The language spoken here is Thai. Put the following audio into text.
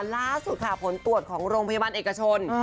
ล่าสุดค่ะผลตรวจของโรงพยาบาลเอกชน